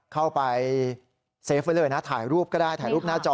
เข้าไปเซฟไว้เลยนะถ่ายรูปก็ได้ถ่ายรูปหน้าจอ